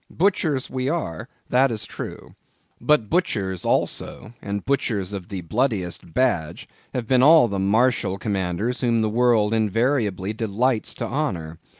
Butchers we are, that is true. But butchers, also, and butchers of the bloodiest badge have been all Martial Commanders whom the world invariably delights to honor.